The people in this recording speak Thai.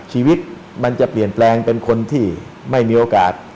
ชีวิตมันจะเปลี่ยนแปลงเป็นคนที่ไม่มีโอกาส